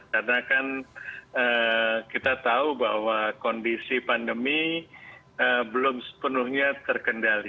karena kan kita tahu bahwa kondisi pandemi belum sepenuhnya terkendali